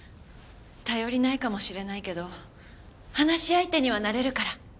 頼りないかもしれないけど話し相手にはなれるから。